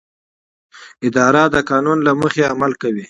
اداره د قانون له مخې عمل کوي.